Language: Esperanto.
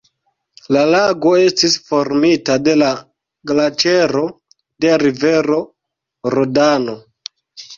La lago estis formita de la glaĉero de rivero Rodano.